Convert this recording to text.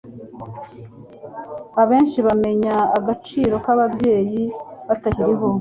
abenshi bamenya agciro kababyeyi batakiriho